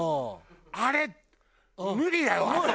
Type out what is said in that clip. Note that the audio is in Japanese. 「あれ無理だよあれ」。